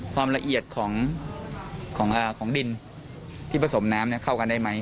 ความละเอียดของดินที่ผสมน้ำเข้ากันได้ไหม